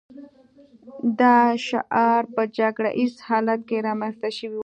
دا شعار په جګړه ییز حالت کې رامنځته شوی و